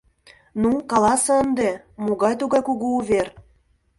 Ну, каласе ынде, могай тугай кугу увер?